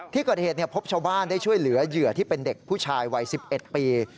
ที่เกิดเหตุพบชาวบ้านได้ช่วยเหลือเหยื่อที่เป็นเด็กผู้ชายวัย๑๑ปี